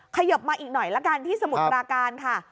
ขยบมาอีกหน่อยละกันที่สมุทรปราการค่ะ